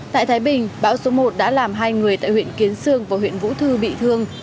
tại thái bình bão số một đã làm hai người tại huyện kiến sương và huyện vũ thư bị thương